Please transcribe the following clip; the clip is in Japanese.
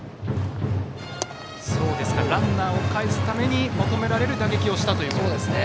ランナーをかえすために求められる打撃をしたと。